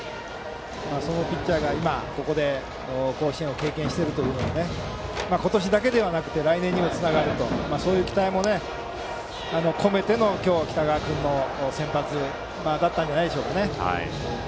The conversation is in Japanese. そのピッチャーが今ここで甲子園を経験しているというのが今年だけでなくて来年につながるそういう期待も込めての北川君の先発だったんじゃないでしょうか。